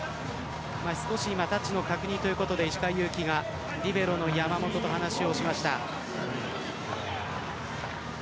タッチの確認ということで石川がリベロの山本と確認をしました。